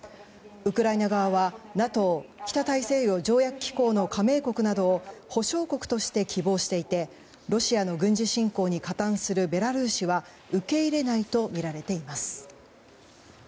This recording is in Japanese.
ウクライナ側はＮＡＴＯ・北大西洋条約機構の加盟国などを保証国として希望していてロシアの軍事侵攻に加担するベラルーシは受け入れないとみられています。